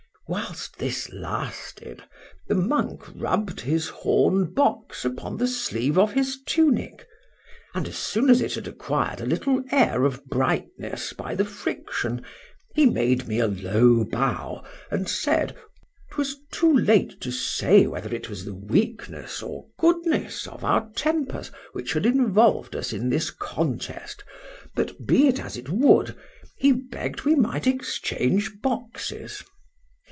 Whilst this lasted, the monk rubbed his horn box upon the sleeve of his tunic; and as soon as it had acquired a little air of brightness by the friction—he made me a low bow, and said, 'twas too late to say whether it was the weakness or goodness of our tempers which had involved us in this contest—but be it as it would,—he begg'd we might exchange boxes.